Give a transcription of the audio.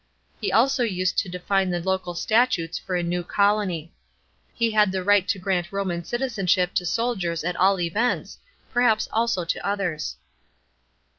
He also used to define the local statutes for a new colony. He had the right to <>rant Roman citizenship to soldiers at all events, perhaps also to others.